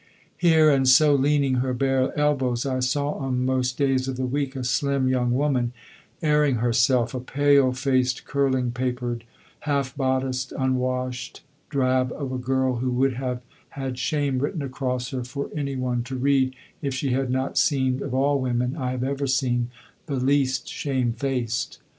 Here, and so leaning her bare elbows, I saw on most days of the week a slim young woman airing herself a pale faced, curling papered, half bodiced, unwashed drab of a girl, who would have had shame written across her for any one to read if she had not seemed of all women I have ever seen the least shamefaced.